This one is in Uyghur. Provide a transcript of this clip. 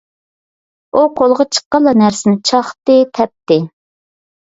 ئۇ قولىغا چىققانلا نەرسىنى چاقتى، تەپتى.